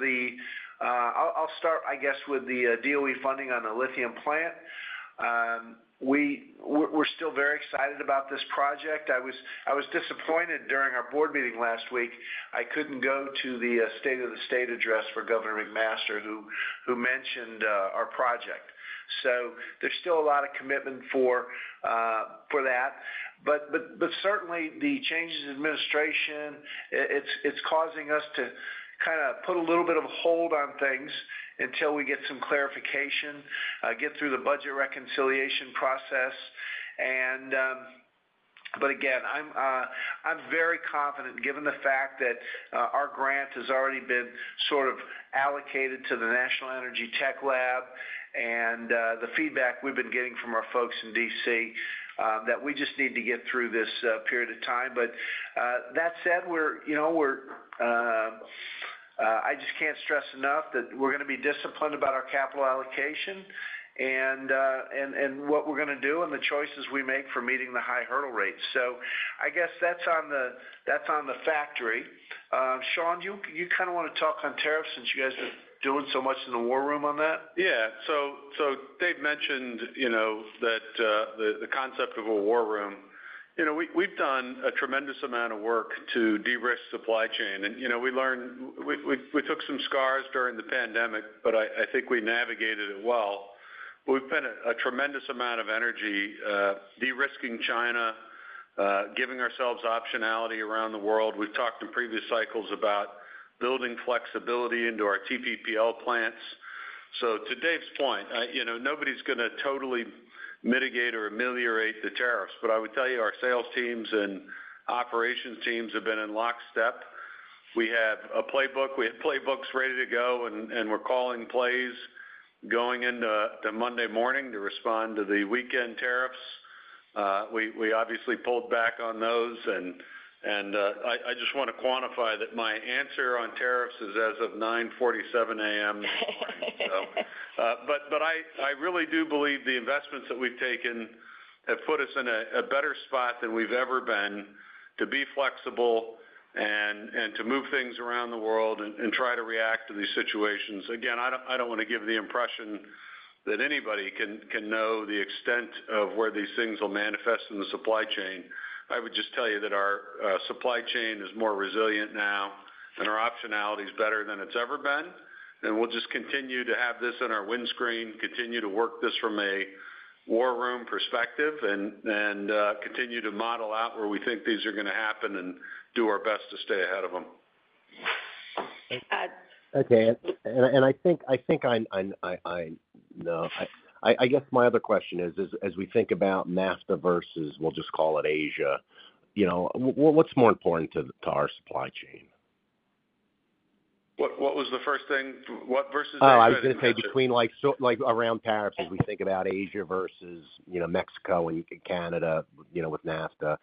I'll start, I guess, with the DOE funding on the lithium plant. We're still very excited about this project. I was disappointed during our board meeting last week. I couldn't go to the State of the State address for Governor McMaster, who mentioned our project, so there's still a lot of commitment for that. But certainly, the changes in administration, it's causing us to kind of put a little bit of a hold on things until we get some clarification, get through the budget reconciliation process. But again, I'm very confident given the fact that our grant has already been sort of allocated to the National Energy Technology Lab and the feedback we've been getting from our folks in DC, that we just need to get through this period of time. But that said, I just can't stress enough that we're going to be disciplined about our capital allocation and what we're going to do and the choices we make for meeting the high hurdle rates. So I guess that's on the factory. Shawn, you kind of want to talk on tariffs since you guys are doing so much in the war room on that? Yeah. So Dave mentioned that the concept of a war room. We've done a tremendous amount of work to de-risk supply chain. And we learned we took some scars during the pandemic, but I think we navigated it well. We've spent a tremendous amount of energy de-risking China, giving ourselves optionality around the world. We've talked in previous cycles about building flexibility into our TPPL plants. So to Dave's point, nobody's going to totally mitigate or ameliorate the tariffs. But I would tell you our sales teams and operations teams have been in lockstep. We have a playbook. We have playbooks ready to go, and we're calling plays going into Monday morning to respond to the weekend tariffs. We obviously pulled back on those. And I just want to quantify that my answer on tariffs is as of 9:47 A.M. this morning. But I really do believe the investments that we've taken have put us in a better spot than we've ever been to be flexible and to move things around the world and try to react to these situations. Again, I don't want to give the impression that anybody can know the extent of where these things will manifest in the supply chain. I would just tell you that our supply chain is more resilient now, and our optionality is better than it's ever been. And we'll just continue to have this in our windscreen, continue to work this from a war room perspective, and continue to model out where we think these are going to happen and do our best to stay ahead of them. Okay. And I think I know. I guess my other question is, as we think about NAFTA versus, we'll just call it Asia, what's more important to our supply chain? What was the first thing? What versus NAFTA? I was going to say between around tariffs as we think about Asia versus Mexico and Canada with NAFTA.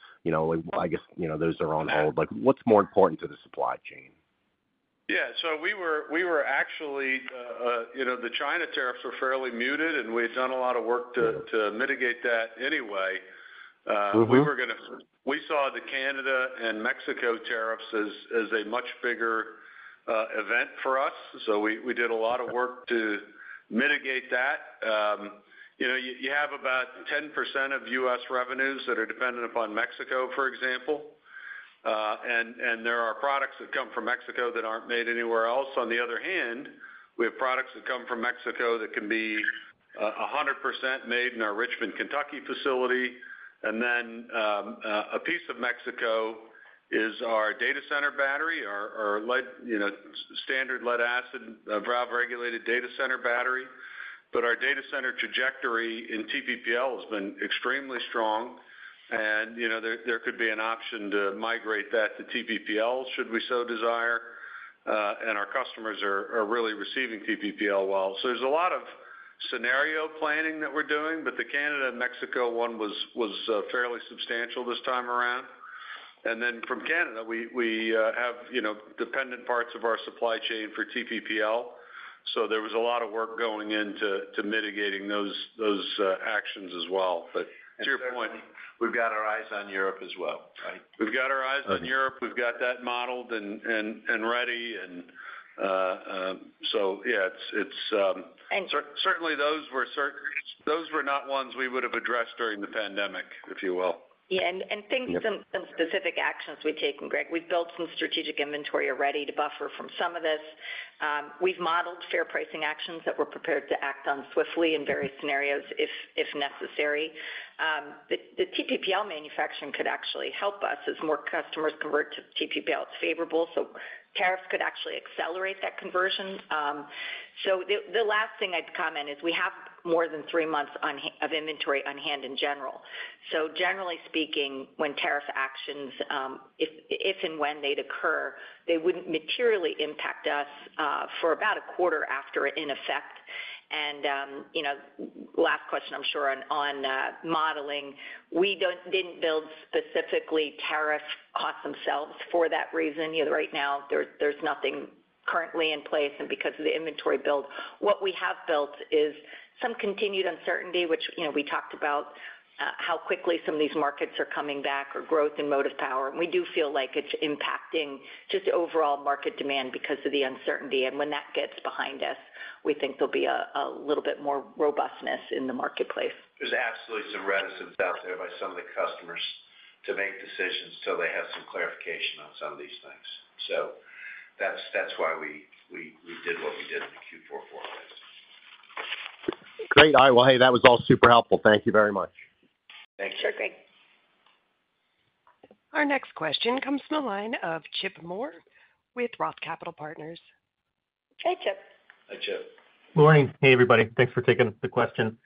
I guess those are on hold. What's more important to the supply chain? Yeah. So we were actually the China tariffs were fairly muted, and we had done a lot of work to mitigate that anyway. We saw the Canada and Mexico tariffs as a much bigger event for us. So we did a lot of work to mitigate that. You have about 10% of U.S. revenues that are dependent upon Mexico, for example. And there are products that come from Mexico that aren't made anywhere else. On the other hand, we have products that come from Mexico that can be 100% made in our Richmond, Kentucky facility, and then a piece of Mexico is our Data Center battery, our standard lead-acid valve-regulated Data Center battery, but our Data Center trajectory in TPPL has been extremely strong, and there could be an option to migrate that to TPPL should we so desire, and our customers are really receiving TPPL well, so there's a lot of scenario planning that we're doing, but the Canada and Mexico one was fairly substantial this time around, and then from Canada, we have dependent parts of our supply chain for TPPL, so there was a lot of work going into mitigating those actions as well, but to your point, we've got our eyes on Europe as well. We've got our eyes on Europe. We've got that modeled and ready. And so, yeah, certainly, those were not ones we would have addressed during the pandemic, if you will. Yeah. And some specific actions we've taken, Greg. We've built some strategic inventory already to buffer from some of this. We've modeled fair pricing actions that we're prepared to act on swiftly in various scenarios if necessary. The TPPL manufacturing could actually help us as more customers convert to TPPL. It's favorable. So tariffs could actually accelerate that conversion. So the last thing I'd comment is we have more than three months of inventory on hand in general. So generally speaking, when tariff actions, if and when they'd occur, they wouldn't materially impact us for about a quarter after in effect. And last question, I'm sure, on modeling. We didn't build specifically tariff costs themselves for that reason. Right now, there's nothing currently in place. Because of the inventory build, what we have built is some continued uncertainty, which we talked about how quickly some of these markets are coming back or growth in Motive Power. We do feel like it's impacting just overall market demand because of the uncertainty. When that gets behind us, we think there'll be a little bit more robustness in the marketplace. There's absolutely some reticence out there by some of the customers to make decisions till they have some clarification on some of these things. That's why we did what we did in Q4 '25. Great. Well, hey, that was all super helpful. Thank you very much. Thank you. Sure thing. Our next question comes from the line of Chip Moore with Roth Capital Partners. Hey, Chip. Hi, Chip. Good morning. Hey, everybody. Thanks for taking the question.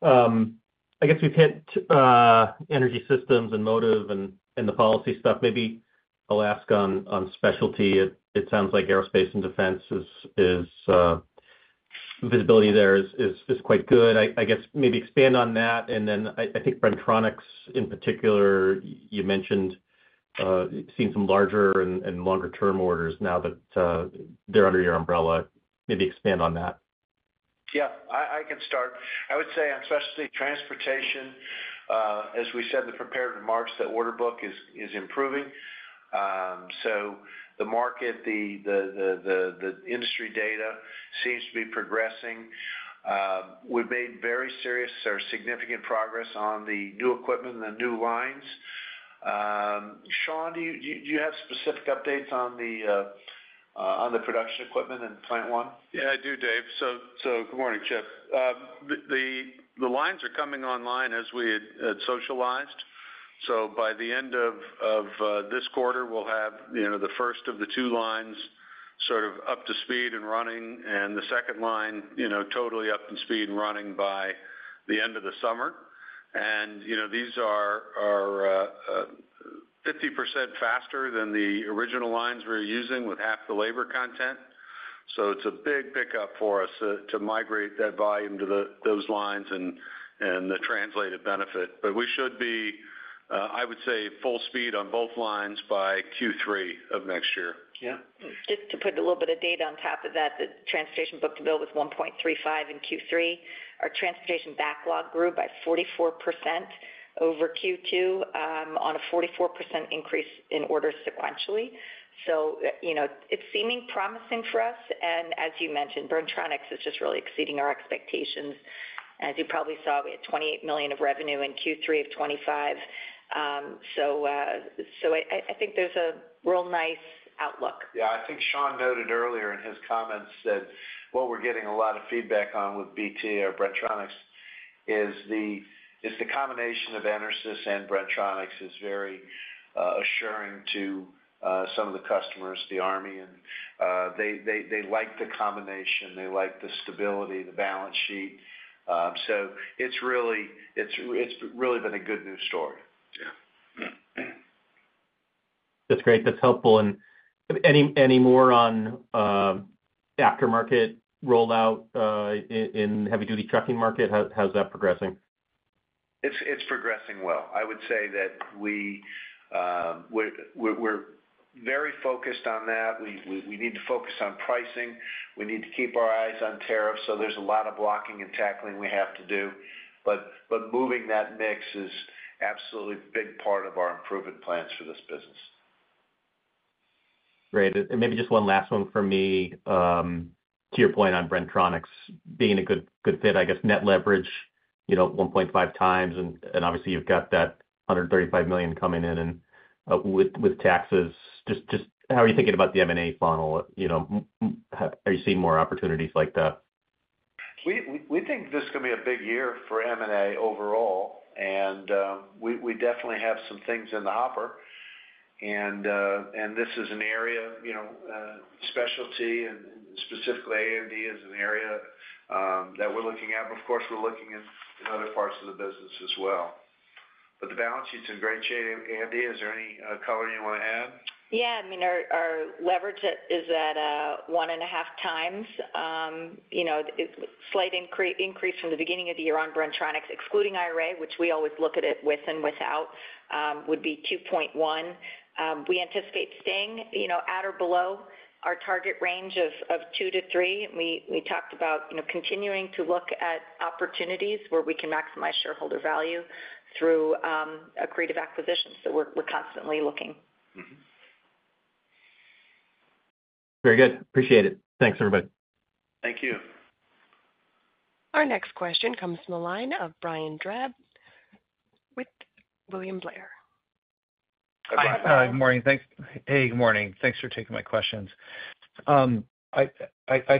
I guess we've hit Energy Systems and Motive and the policy stuff. Maybe I'll ask on Specialty. It sounds like Aerospace and Defense visibility there is quite good. I guess maybe expand on that. And then I think Bren-Tronics in particular, you mentioned seeing some larger and longer-term orders now that they're under your umbrella. Maybe expand on that. Yeah. I can start. I would say on Specialty Transportation, as we said in the prepared remarks, that order book is improving. So the market, the industry data seems to be progressing. We've made very serious or significant progress on the new equipment and the new lines. Shawn, do you have specific updates on the production equipment and Plant 1? Yeah, I do, Dave. So good morning, Chip. The lines are coming online as we had socialized. So by the end of this quarter, we'll have the first of the two lines sort of up to speed and running, and the second line totally up to speed and running by the end of the summer. And these are 50% faster than the original lines we're using with half the labor content. So it's a big pickup for us to migrate that volume to those lines and the resultant benefit. But we should be, I would say, full speed on both lines by Q3 of next year. Yeah. Just to put a little bit of data on top of that, the Transportation book-to-bill was 1.35 in Q3. Our Transportation backlog grew by 44% over Q2 on a 44% increase in orders sequentially. So it's seeming promising for us. And as you mentioned, Bren-Tronics is just really exceeding our expectations. As you probably saw, we had $28 million of revenue in Q3 of 2025. So I think there's a real nice outlook. Yeah. I think Shawn noted earlier in his comments that what we're getting a lot of feedback on with BT or Bren-Tronics is the combination of EnerSys and Bren-Tronics is very assuring to some of the customers, the Army. And they like the combination. They like the stability, the balance sheet. So it's really been a good news story. Yeah. That's great. That's helpful. And any more on aftermarket rollout in heavy-duty trucking market? How's that progressing? It's progressing well. I would say that we're very focused on that. We need to focus on pricing. We need to keep our eyes on tariffs. So there's a lot of blocking and tackling we have to do. But moving that mix is absolutely a big part of our improvement plans for this business. Great. And maybe just one last one for me to your point on Bren-Tronics being a good fit, I guess, net leverage 1.5 times. And obviously, you've got that $135 million coming in with taxes. Just how are you thinking about the M&A funnel? Are you seeing more opportunities like that? We think this can be a big year for M&A overall. And we definitely have some things in the hopper. And this is an area Specialty, and specifically A&D is an area that we're looking at. But of course, we're looking at other parts of the business as well. But the balance sheet's in great shape. Andi, is there any color you want to add? Yeah. I mean, our leverage is at one and a half times. Slight increase from the beginning of the year on Bren-Tronics, excluding IRA, which we always look at it with and without, would be 2.1. We anticipate staying at or below our target range of 2 to 3. We talked about continuing to look at opportunities where we can maximize shareholder value through accretive acquisitions. So we're constantly looking. Very good. Appreciate it. Thanks, everybody. Thank you. Our next question comes from the line of Brian Drab with William Blair. Hi. Good morning. Thanks. Hey, good morning. Thanks for taking my questions. I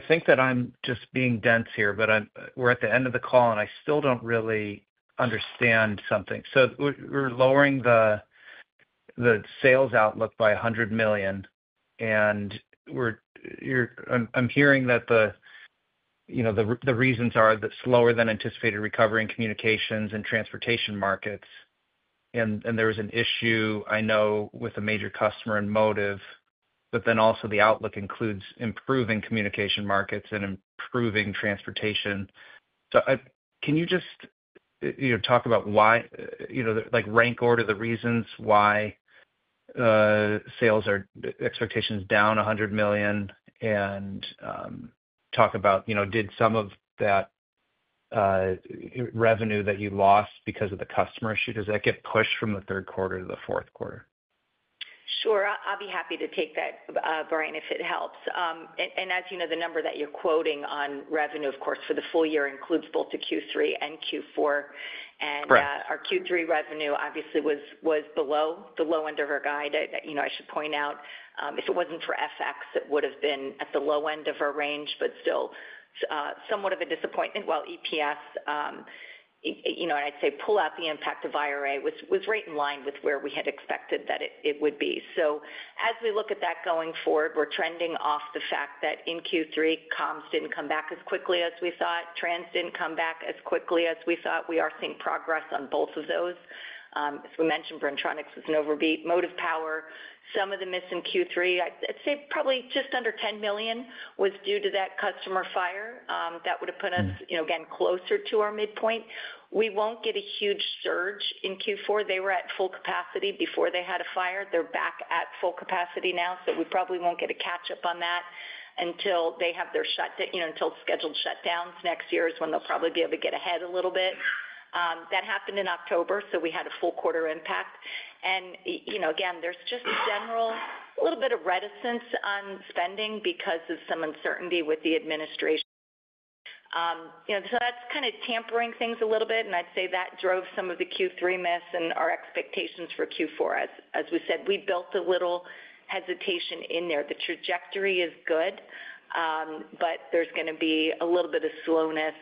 think that I'm just being dense here, but we're at the end of the call, and I still don't really understand something. So we're lowering the sales outlook by $100 million. And I'm hearing that the reasons are that slower than anticipated recovery in Communications and Transportation markets. There was an issue, I know, with a major customer in Motive, but then also the outlook includes improving Communication markets and improving Transportation. Can you just talk about why, rank order the reasons why sales expectations are down $100 million, and talk about, did some of that revenue that you lost because of the customer issue, does that get pushed from the third quarter to the fourth quarter? Sure. I'll be happy to take that, Brian, if it helps. As you know, the number that you're quoting on revenue, of course, for the full year includes both the Q3 and Q4. Our Q3 revenue, obviously, was below the low end of our guide. I should point out, if it wasn't for FX, it would have been at the low end of our range, but still somewhat of a disappointment. While EPS, and I'd say pull out the impact of IRA, was right in line with where we had expected that it would be, so as we look at that going forward, we're trending off the fact that in Q3, Comms didn't come back as quickly as we thought. Trans didn't come back as quickly as we thought. We are seeing progress on both of those. As we mentioned, Bren-Tronics was an overbeat. Motive Power, some of the miss in Q3, I'd say probably just under $10 million, was due to that customer fire. That would have put us, again, closer to our midpoint. We won't get a huge surge in Q4. They were at full capacity before they had a fire. They're back at full capacity now, so we probably won't get a catch-up on that until they have their scheduled shutdowns. Next year is when they'll probably be able to get ahead a little bit. That happened in October. So we had a full quarter impact. And again, there's just a general little bit of reticence on spending because of some uncertainty with the administration. So that's kind of tempering things a little bit. And I'd say that drove some of the Q3 miss and our expectations for Q4. As we said, we built a little hesitation in there. The trajectory is good, but there's going to be a little bit of slowness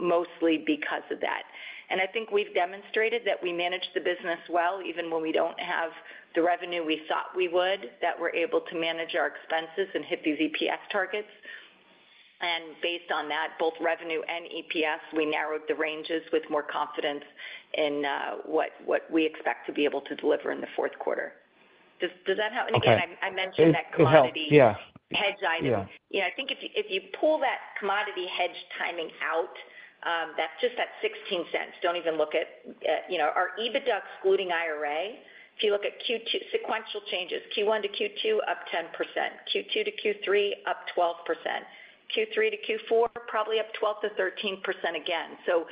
mostly because of that. And I think we've demonstrated that we manage the business well, even when we don't have the revenue we thought we would, that we're able to manage our expenses and hit these EPS targets. And based on that, both revenue and EPS, we narrowed the ranges with more confidence in what we expect to be able to deliver in the fourth quarter. Does that help? And again, I mentioned that commodity hedge item. I think if you pull that commodity hedge timing out, that's just at $0.16. Don't even look at our EBITDA excluding IRA. If you look at sequential changes, Q1 to Q2, up 10%. Q2 to Q3, up 12%. Q3 to Q4, probably up 12%-13% again. So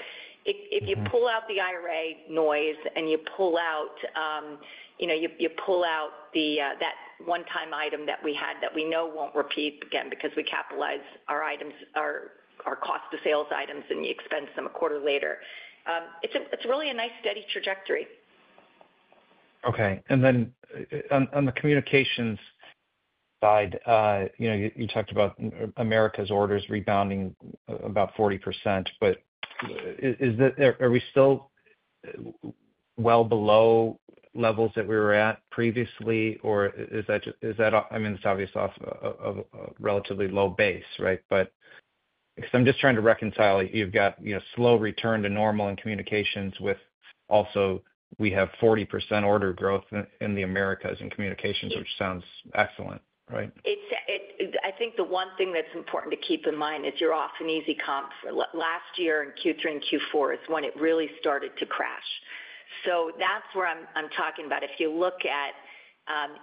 if you pull out the IRA noise and you pull out that one-time item that we had that we know won't repeat again because we capitalize our cost-to-sales items and you expense them a quarter later, it's really a nice steady trajectory. Okay. And then on the Communications side, you talked about Americas orders rebounding about 40%. But are we still well below levels that we were at previously? Or is that I mean, it's obvious off of a relatively low base, right? But I'm just trying to reconcile you've got slow return to normal in Communications with also we have 40% order growth in the Americas in Communications, which sounds excellent, right? I think the one thing that's important to keep in mind is you're off an easy comp. Last year in Q3 and Q4 is when it really started to crash. So that's where I'm talking about. If you look at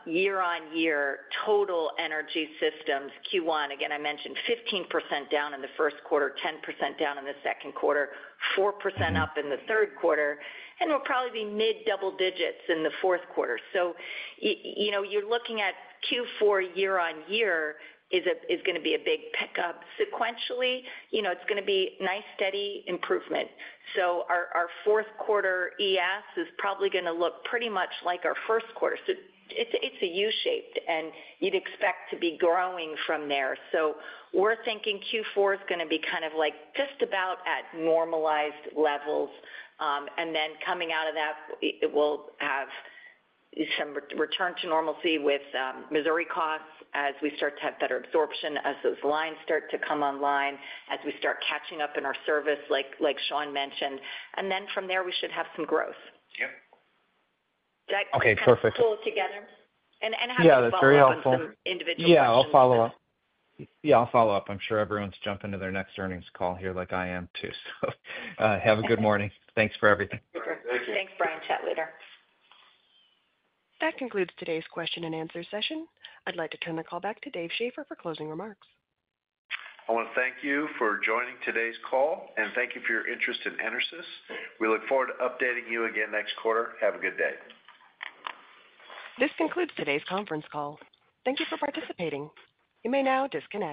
year-on-year total Energy Systems, Q1, again, I mentioned 15% down in the first quarter, 10% down in the second quarter, 4% up in the third quarter, and we'll probably be mid-double digits in the fourth quarter. So you're looking at Q4 year-on-year is going to be a big pickup. Sequentially, it's going to be nice steady improvement. So our fourth quarter ES is probably going to look pretty much like our first quarter. So it's a U-shaped, and you'd expect to be growing from there. So we're thinking Q4 is going to be kind of like just about at normalized levels. And then coming out of that, it will have some return to normalcy with Missouri costs as we start to have better absorption, as those lines start to come online, as we start catching up in our service, like Shawn mentioned. And then from there, we should have some growth. Yep. Okay. Perfect. Pull it together. And have a follow-up on some individuals. Yeah. I'll follow up. Yeah. I'll follow up. I'm sure everyone's jumping to their next earnings call here like I am too. So have a good morning. Thanks for everything. Thank you. Thanks, Brian. Chat later. That concludes today's question and answer session. I'd like to turn the call back to David Shaffer for closing remarks. I want to thank you for joining today's call, and thank you for your interest in EnerSys. We look forward to updating you again next quarter. Have a good day. This concludes today's conference call. Thank you for participating. You may now disconnect.